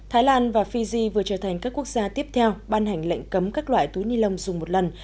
thái lan và fiji vừa trở thành các quốc gia tiếp theo ban hành lệnh cấm các loại túi ni lông dùng một lần